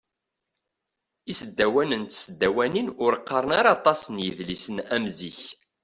Isdawanen d tesdawanin ur qqaren ara aṭas n yidlisen am zik.